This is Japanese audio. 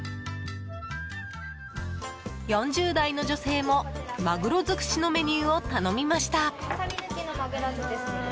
４０代の女性もマグロづくしのメニューを頼みました。